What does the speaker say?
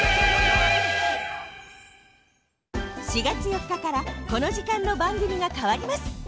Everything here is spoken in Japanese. ４月４日からこの時間のばんぐみがかわります